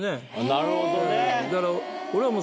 なるほどね。